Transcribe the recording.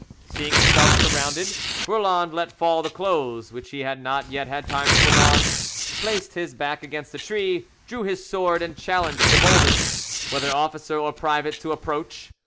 Seeing himself surrounded, Roland let fall the clothes which he had not yet had time to put on, placed his back against a tree, drew his sword, and challenged the boldest, whether officer or private, to approach.